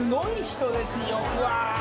うわ！